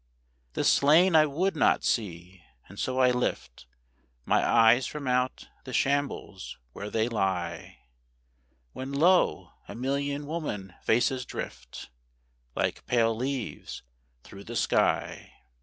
The slain I WOULD not see ... and so I lift My eyes from out the shambles where they lie; When lo! a million woman faces drift Like pale leaves through the sky.